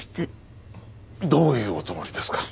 どういうおつもりですか？